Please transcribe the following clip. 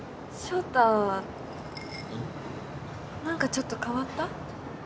何かちょっと変わった？